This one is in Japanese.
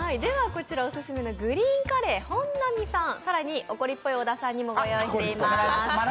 こちらオススメのグリーンカレー、本並さん、更に怒りっぽい小田さんにも御用意しています。